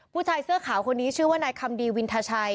ผู้ชายเสื้อขาวคนนี้ชื่อว่านายคำดีวินทชัย